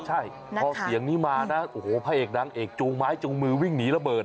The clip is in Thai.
เวลาเสียงนี้มาน่ะพระเอกดังเอกโจ้งไม้โจ้งมือวิ่งหนีระเบิด